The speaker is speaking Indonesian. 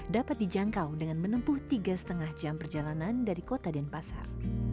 dapat dijangkau dengan menempuh tiga lima jam perjalanan dari kota denpasar